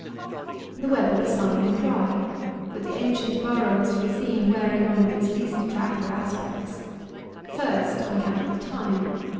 The weather was sunny and dry, but the ancient borough was to be seen wearing one of its least attractive aspects. First on account of the time.